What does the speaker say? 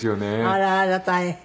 あらあら大変。